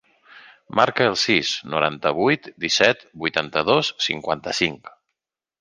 Marca el sis, noranta-vuit, disset, vuitanta-dos, cinquanta-cinc.